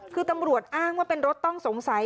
คือตำรวจอ้างว่าเป็นรถต้องสงสัย